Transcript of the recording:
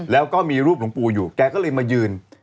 แล้วก็มีรูปหลวงปู่อยู่แกก็เลยมายืน